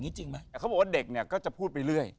พี่บอกว่าเด็กเนี่ยก็จะพูดไปเรื่อย